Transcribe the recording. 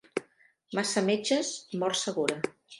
Massa metges, mort segura.